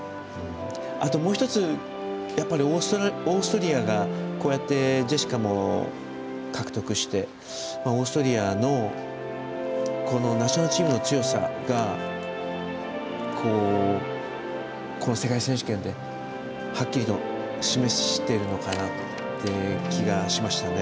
あと、もう１つオーストリアがこうやってジェシカも獲得して、オーストリアのナショナルチームの強さがこの世界選手権ではっきりと示してるのかなという気がしましたね。